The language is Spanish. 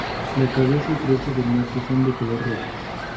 La cabeza y cresta del macho son de color rojo.